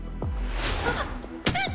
あっうっ！